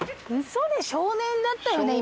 少年だったよね